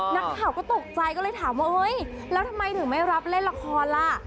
นักข่าวก็ตกใจก็เลยถามว่าเฮ้ยแล้วทำไมถึงไม่รับเล่นละครล่ะ